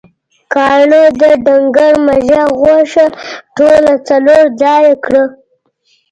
کاڼهٔ د ډنګر مږهٔ غوښه ټوله څلور ځایه کړه.